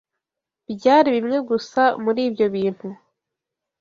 Byari bimwe gusa muri ibyo bintu.